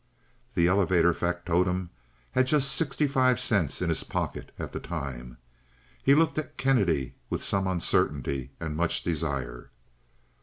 The elevator factotum had just sixty five cents in his pocket at the time. He looked at Kennedy with some uncertainty and much desire.